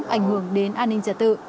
ảnh hưởng đến an ninh trật tự